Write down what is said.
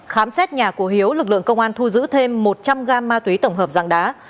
khám xét nhà của hiếu lực lượng công an thu giữ thêm một trăm linh gam ma túy tổng hợp dạng đá